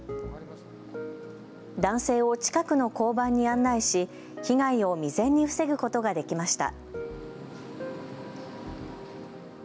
男性を近くの交番に案内し被害を未然に防ぐことができました。